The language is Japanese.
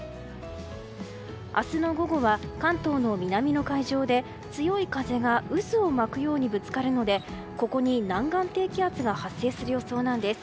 明日の午後は関東の南の海上で強い風が渦を巻くようにぶつかるのでここに南岸低気圧が発生する予想なんです。